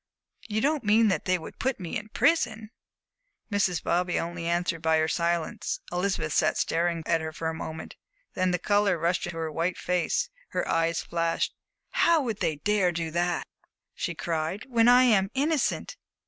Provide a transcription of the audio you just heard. "You don't mean that they would put me in prison?" Mrs. Bobby only answered by her silence. Elizabeth sat staring at her for a moment, then the color rushed into her white face, her eyes flashed. "How would they dare do that," she cried, "when I am innocent?"